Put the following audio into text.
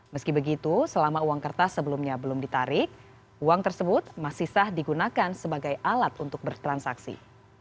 meski begitu selama uang kertas sebelumnya belum ditarik uang tersebut masih sah digunakan sebagai alat untuk bertransaksi